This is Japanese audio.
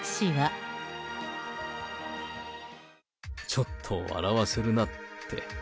ちょっと笑わせるなって。